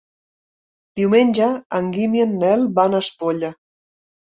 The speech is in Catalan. Diumenge en Guim i en Nel van a Espolla.